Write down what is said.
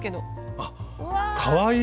あっかわいい！